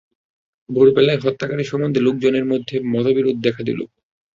ভোর বেলায় হত্যাকারী সম্বন্ধে লোকজনের মধ্যে মতবিরোধ দেখা দিল।